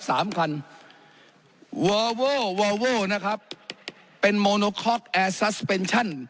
สามคันวอวโววอวโวนะครับเป็นโมโนคล็อกแอร์ซัสเปนชั่น